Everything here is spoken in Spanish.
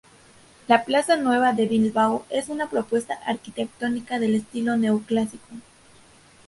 La Plaza Nueva de Bilbao es una propuesta arquitectónica de estilo neoclásico.